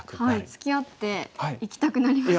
つきあっていきたくなりますよね。